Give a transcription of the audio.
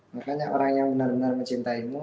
makanya orang yang benar benar mencintai mu